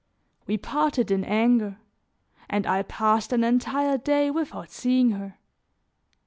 We parted in anger, and I passed an entire day without seeing her.